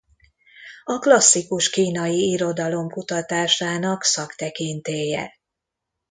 A klasszikus kínai irodalom kutatásának szaktekintélye.